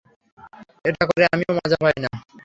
এটা করে আমিও মজা পাই না।